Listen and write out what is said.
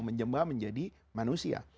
menjembah menjadi manusia